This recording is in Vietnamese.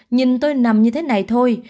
nhìn tôi nằm như thế này thôi